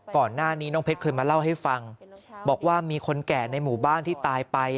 ก่อนหน้านี้น้องเพชรเคยมาเล่าให้ฟังบอกว่ามีคนแก่ในหมู่บ้านที่ตายไป